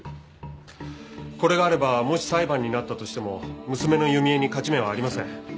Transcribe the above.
これがあればもし裁判になったとしても娘の弓枝に勝ち目はありません。